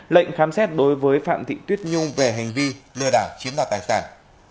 lệnh khám xét đối với phạm thị tuyết nhung về hành vi lừa đảo chiếm đoạt tài sản